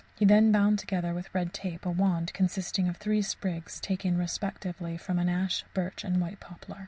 He then bound together, with red tape, a wand consisting of three sprigs taken, respectively, from an ash, birch, and white poplar.